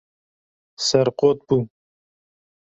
Serqot bû.